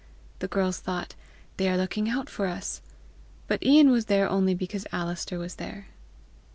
The girls thought, "They are looking out for us!" but Ian was there only because Alister was there.